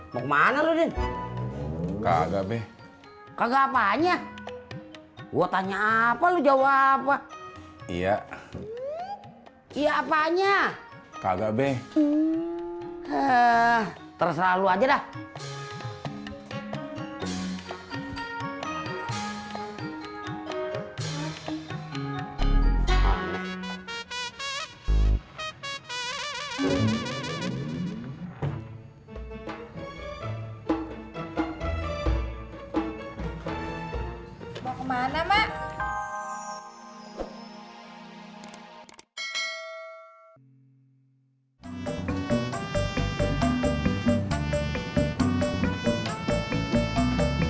sampai jumpa di video selanjutnya